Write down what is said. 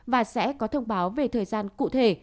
và sẽ có thông báo về thời gian cụ thể